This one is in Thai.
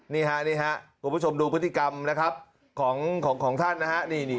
นี่ฮะนี่ฮะคุณผู้ชมดูพฤติกรรมนะครับของของของท่านนะฮะนี่นี่